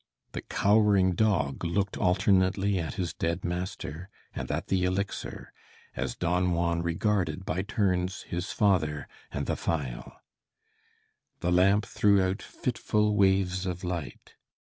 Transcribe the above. The cowering dog looked alternately at his dead master and at the elixir, as Don Juan regarded by turns his father and the phial. The lamp threw out fitful waves of light.